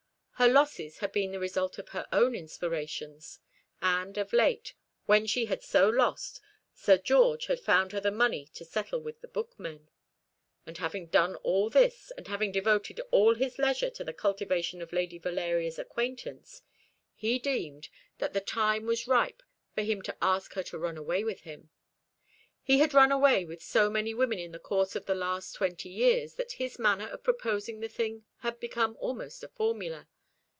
Her losses had been the result of her own inspirations: and of late, when she had so lost, Sir George had found her the money to settle with the bookmen. And having done all this, and having devoted all his leisure to the cultivation of Lady Valeria's acquaintance, he deemed that the time was ripe for him to ask her to run away with him. He had run away with so many women in the course of the last twenty years that his manner of proposing the thing had become almost a formula.